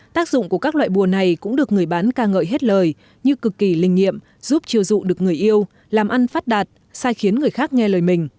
tác dụng của các loại bùa này cũng được người bán ca ngợi hết lời như cực kỳ linh nghiệm giúp chiều dụ được người yêu làm ăn phát đạt sai khiến người khác nghe lời mình